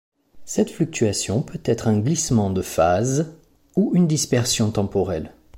Cette fluctuation peut être un glissement de phase ou une dispersion temporelle.